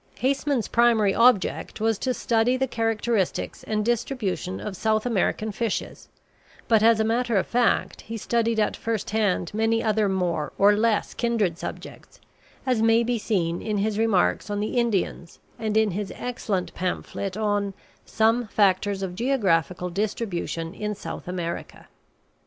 Haseman's primary object was to study the characteristics and distribution of South American fishes, but as a matter of fact he studied at first hand many other more or less kindred subjects, as may be seen in his remarks on the Indians and in his excellent pamphlet on "Some Factors of Geographical Distribution in South America."